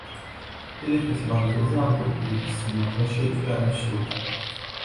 დიდი ხნის მანძილზე ამ დოკუმენტის სიმართლეში ეჭვი არავის შეუტანია.